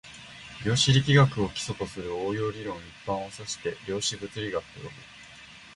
量子力学を基礎とする応用理論一般を指して量子物理学と呼ぶ